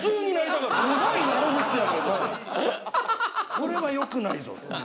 これはよくないぞと。